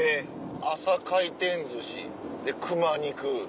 朝回転寿司で熊肉。